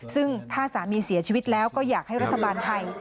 ซึ่งถ้าสามีเสียชีวิตแล้วก็อยากให้รัฐบาลไทย